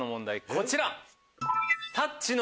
こちら。